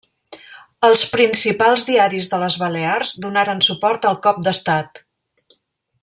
Els principals diaris de les Balears donaren suport al cop d'estat.